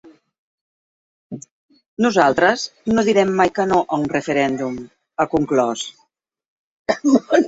Nosaltres no direm mai que no a un referèndum, ha conclòs.